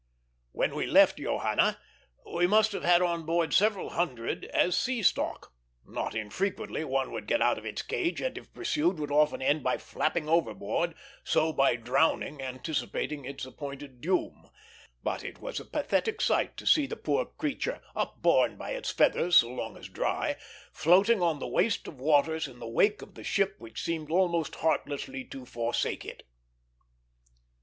When we left Johanna, we must have had on board several hundred as sea stock. Not infrequently one would get out of its cage, and if pursued would often end by flapping overboard, so by drowning anticipating its appointed doom; but it was a pathetic sight to see the poor creature, upborne by its feathers so long as dry, floating on the waste of waters in the wake of the ship which seemed almost heartlessly to forsake it.